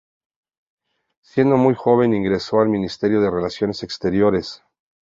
Siendo muy joven ingresó al Ministerio de Relaciones Exteriores.